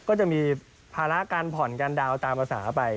ก็จะมีภาระการผ่อนการดาวน์ตามภาษาไป